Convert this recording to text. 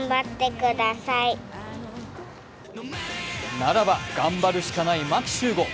ならば頑張るしかない牧秀悟。